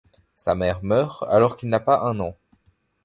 Sa mère meurt alors qu'il n'a pas un an.